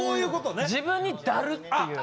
自分に「ダル」っていう。